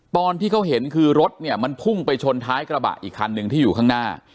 ตอนที่เขาเห็นคือรถเนี่ยมันพุ่งไปชนท้ายกระบะอีกคันหนึ่งที่อยู่ข้างหน้า